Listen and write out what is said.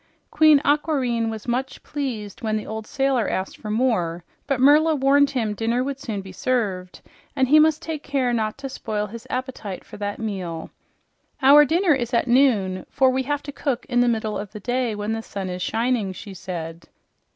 Queen Aquareine was much pleased when the old sailor asked for more, but Merla warned him dinner would soon be served and he must take care not to spoil his appetite for that meal. "Our dinner is at noon, for we have to cook in the middle of the day when the sun is shining," she said.